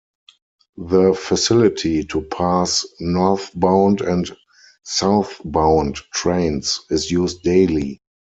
The facility to pass northbound and southbound trains is used daily.